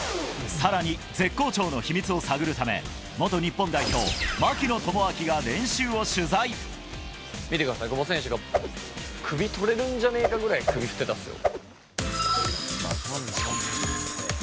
さらに絶好調の秘密を探るため、元日本代表、見てください、久保選手が首取れるんじゃねぇかくらい、首振ってたんですよ。